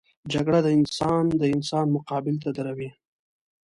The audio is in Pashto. جګړه انسان د انسان مقابل ته دروي